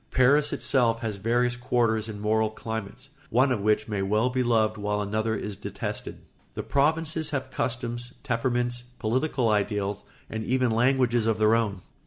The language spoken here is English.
Paris itself has various quarters and moral climates, one of which may well be loved while another is detested. The provinces have customs, temperaments, political ideals, and even languages of their own.